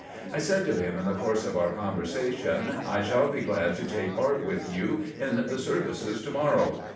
I said to him in the course of our conversation: "I shall be glad to take part with you in the services tomorrow."